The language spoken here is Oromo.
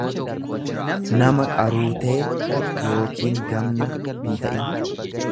nama qaruutee yookiin gamna hinta'in.